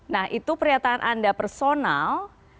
nah itu pernyataan anda personal